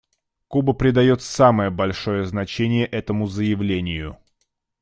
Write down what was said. Куба придает самое большое значение этому заявлению.